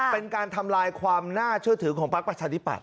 เป็นการทำลายความน่าเชื่อถือของพักประชาธิปัต